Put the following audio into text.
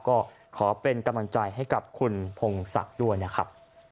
ก็ขอเป็นกำลังใจให้กับคุณพงศักดิ์ด้วยนะครับ